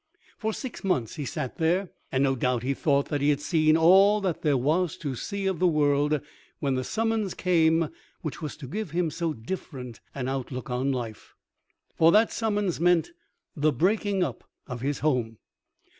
For six months he sat there, and no doubt he thought that he had seen all that there was to see of the world when the summons came which was to give him so different an outlook on life. For that summons meant the breaking up of his home.